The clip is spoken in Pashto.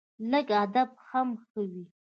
لږ ادب هم ښه وي